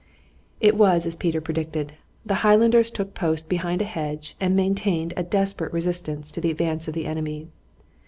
It was as Peter predicted. The Highlanders took post behind a hedge and maintained a desperate resistance to the advance of the enemy.